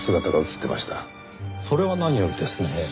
それは何よりですねぇ。